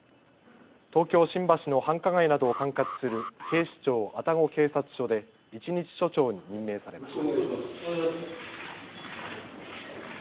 東京新橋の繁華街などを管轄する警視庁愛宕警察署で１日署長に任命されました。